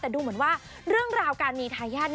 แต่ดูเหมือนว่าเรื่องราวการมีทายาท